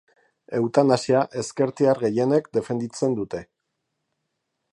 Eutanasia ezkertiar gehienek defenditzen dute.